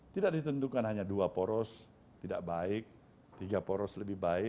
tidak ditentukan hanya dua poros tidak baik tiga poros lebih baik